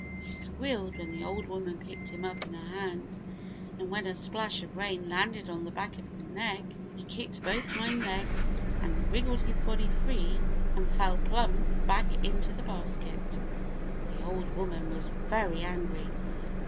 He squealed when the old woman picked him up in her hand, and when a splash of rain landed on the back of his neck he kicked both hind legs and wriggled his body free and fell plump back into the basket. The old woman was very angry.